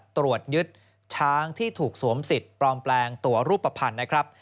ตรวจยึดช้างที่ถูกสวมสิทธิ์ปลอมแปลงตัวรูปภัณฑ์นะครับ